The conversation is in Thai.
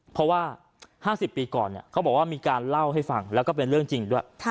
เพราะว่า๕๐ปีก่อนเขาบอกว่ามีการเล่าให้ฟังแล้วก็เป็นเรื่องจริงด้วย